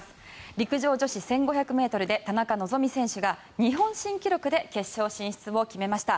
陸上女子１５００ｍで田中希実選手が日本新記録で決勝進出を決めました。